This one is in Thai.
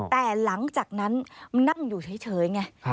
แต่หลังจากนั้นนั่งอยู่เฉยไง